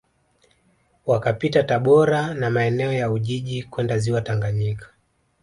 Wakapita Tabora na maeneo ya Ujiji kwenda Ziwa Tanganyika